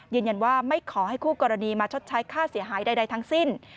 ยืนยันว่าไม่ขอให้คู่กรณีมาชดใช้ค่าเสียหายใดทั้งสิ้น